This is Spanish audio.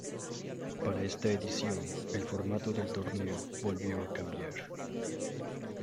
Para esta edición, el formato del torneo volvió a cambiar.